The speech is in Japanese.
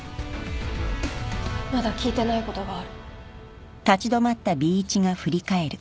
まだ聞いてないことがある。